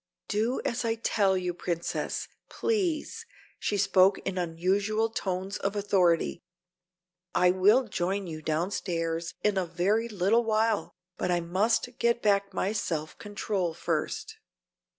"Do as I tell you, Princess, please," she spoke in unusual tones of authority. "I will join you downstairs in a very little while, but I must get back my self control first."